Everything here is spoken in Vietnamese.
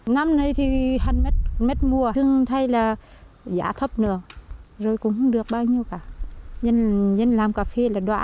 năm nay thì mất mùa thường thay là giá thấp nữa rồi cũng không được bao nhiêu cả dân làm cà phê là đoá